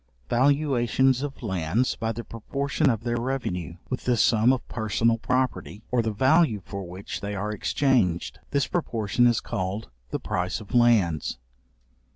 Valuations of lands by the proportion of their revenue, with the sum of personal property, or the value for which they are exchanged: this proportion is called the price of lands.